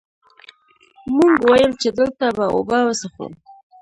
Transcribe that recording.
مونږ ويل چې دلته به اوبۀ وڅښو ـ